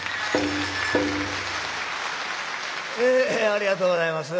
ありがとうございます。